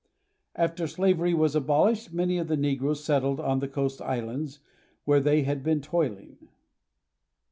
After slavery was abolished many of the negroes settled 346 THE GUIANAS. on the coast lands where they had been toiling.